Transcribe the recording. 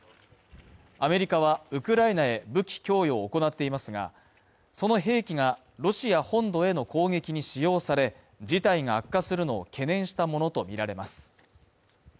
アメリカはウクライナへ武器供与を行っていますが、その兵器がロシア本土への攻撃に使用され、事態が悪化するのを懸念したものとみられます。